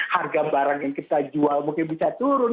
harga barang yang kita jual mungkin bisa turun